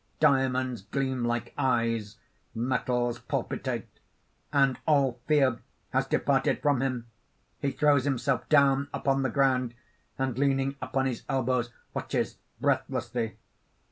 Diamonds gleam like eyes; metals palpitate._ _And all fear has departed from him! He throws himself down upon the ground, and leaning upon his elbows, watches breathlessly.